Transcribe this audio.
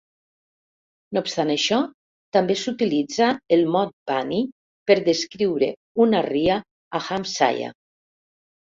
No obstant això, també s'utilitza el mot "bunny" per descriure una ria a Hampshire.